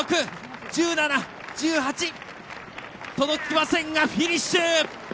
届きませんが、フィニッシュ！